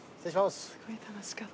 すごい楽しかった。